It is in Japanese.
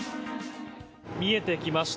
見えてきました。